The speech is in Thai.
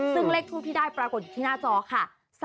ซึ่งเลขทูปที่ได้ปรากฏอยู่ที่หน้าจอค่ะ